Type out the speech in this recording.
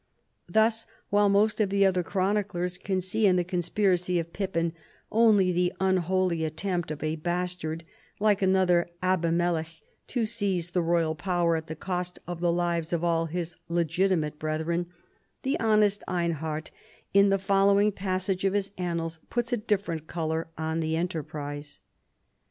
Thus, while most of the other chroniclers can see in the conspiracy of Pippin only the unholy attempt of a bastard, like another Abimelech, to seize the royal power at the cost of the lives of all his legitimate brethren, the honest Einhard in the following pas' sage of his annals puts a different color on the en terprise.